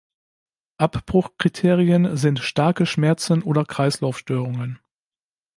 Abbruch-Kriterien sind starke Schmerzen oder Kreislaufstörungen.